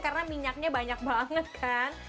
karena minyaknya banyak banget kan